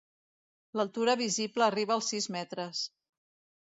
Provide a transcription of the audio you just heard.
L'altura visible arriba als sis metres.